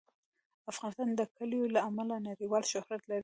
افغانستان د کلیو له امله نړیوال شهرت لري.